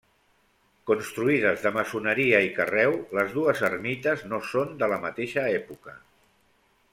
Construïdes de maçoneria i carreu, les dues ermites no són de la mateixa època.